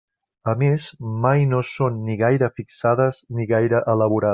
A més, mai no són ni gaire fixades ni gaire elaborades.